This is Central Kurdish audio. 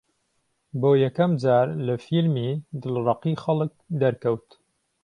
بۆ یەکەم جار لە فیلمی «دڵڕەقی خەڵک» دەرکەوت